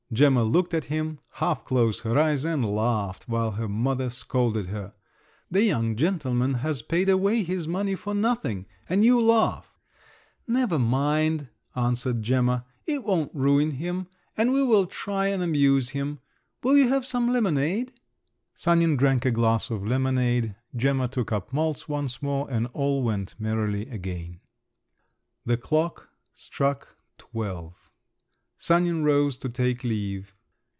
Gemma looked at him, half closed her eyes, and laughed, while her mother scolded her: "The young gentleman has paid away his money for nothing, and you laugh!" "Never mind," answered Gemma; "it won't ruin him, and we will try and amuse him. Will you have some lemonade?" Sanin drank a glass of lemonade, Gemma took up Malz once more; and all went merrily again. The clock struck twelve. Sanin rose to take leave.